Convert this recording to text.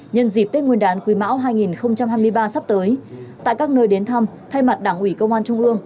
nhân dịp tết nguyên đán quý mão hai nghìn hai mươi ba sắp tới tại các nơi đến thăm thay mặt đảng ủy công an trung ương